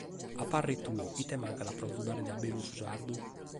A parre tuo, ite mancat pro agiudare de a beru su sardu?